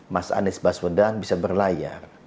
mas anies baswedan bisa berlayar